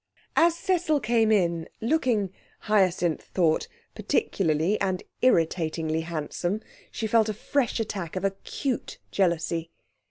As Cecil came in, looking, Hyacinth thought, particularly and irritatingly handsome, she felt a fresh attack of acute jealousy.